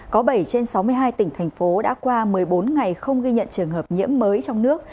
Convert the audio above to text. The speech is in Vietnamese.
có bảy trên sáu mươi hai tỉnh thành phố đã qua một mươi bốn ngày không ghi nhận trường hợp nhiễm mới trong nước